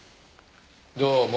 どうも。